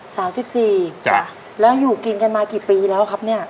สามสิบสี่จ้ะแล้วอยู่กินกันมากี่ปีแล้วครับเนี่ย